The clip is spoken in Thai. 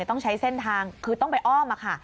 ต้องใช้เส้นทางคือต้องไปอ้อมค่ะ